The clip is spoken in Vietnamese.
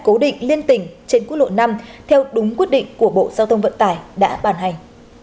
cố định liên tỉnh trên quốc lộ năm theo đúng quyết định của bộ giao thông vận tải đã bàn hành